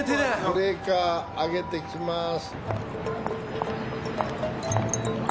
ブレーカー上げてきます。